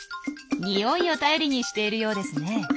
ニオイを頼りにしているようですね。